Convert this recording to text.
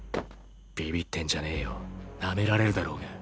ビビってんじゃねぇよナメられるだろうが。